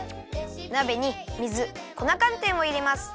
なべに水粉かんてんをいれます。